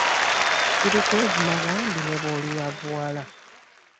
Ssirikwevuma bambi ne bw'oliyavuwala.